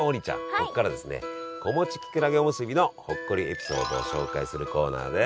ここからですね子持ちきくらげおむすびのほっこりエピソードを紹介するコーナーです。